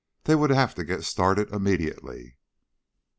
They would have to get started immediately.